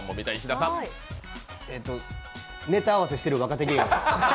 ネタ合わせしてる若手芸人？